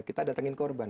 kita datangin korban